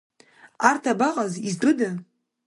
Арҭ абаҟаз, изтәыда?